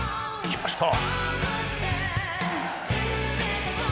きました